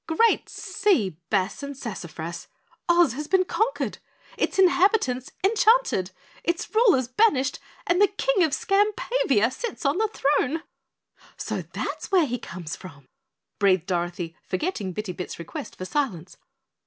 Great sea bass and sassafrass! Oz has been conquered its inhabitants enchanted its rulers banished, and the King of Skampavia sits on the throne." "So that's where he comes from!" breathed Dorothy, forgetting Bitty Bit's request for silence.